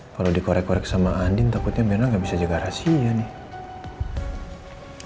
kalau dikorek korek sama andin takutnya memang gak bisa jaga rahasia nih